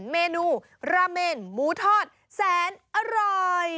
เมนูราเมนหมูทอดแสนอร่อย